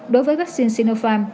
đối với vaccine sinopharm